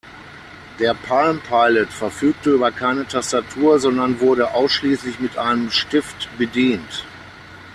Der Palm Pilot verfügte über keine Tastatur, sondern wurde ausschließlich mit einem Stift bedient.